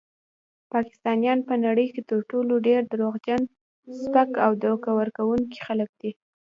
پاکستانیان په نړۍ کې تر ټولو ډیر دروغجن، سپک او دوکه ورکونکي خلک دي.